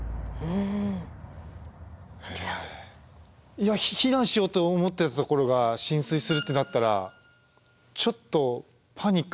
いや避難しようと思ってたところが浸水するってなったらちょっとパニックですよね。